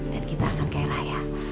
dan kita akan kayak raya